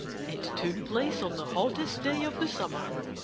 It took place on the hottest day of the summer.